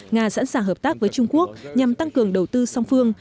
nga sẵn sàng hợp tác với trung quốc nhằm tăng cường đầu tư song phương